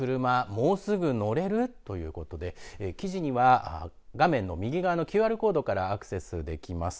もうすぐ乗れる？ということで記事には画面右側のＱＲコードからアクセスできます。